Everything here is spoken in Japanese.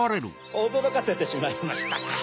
おどろかせてしまいましたか？